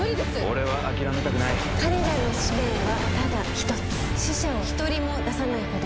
俺は諦めたくない彼らの使命はただ一つ死者を１人も出さないことです